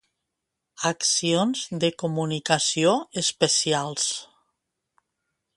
Accions de comunicació especials